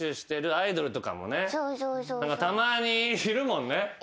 たまにいるもんね。